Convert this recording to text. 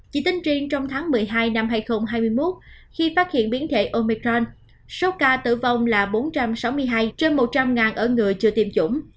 chỉ tính riêng trong tháng một mươi hai năm hai nghìn hai mươi một khi phát hiện biến thể omicron số ca tử vong là bốn trăm sáu mươi hai trên một trăm linh ở người chưa tiêm chủng